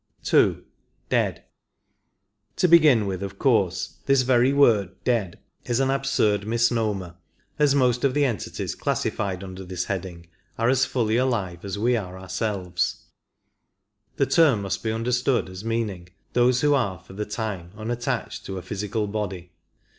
2. Dead. To begin with, of course this very word " dead " is an absurd misnomer, as most of the entities classified under this heading are as fully alive as we are ourselves ; the term must be understood as meaning those who are for the time unattached to a physical body.